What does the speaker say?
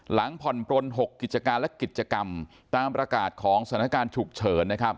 หลังผ่อนปลน๖กิจการและกิจกรรมตามประกาศของสถานการณ์ฉุกเฉินนะครับ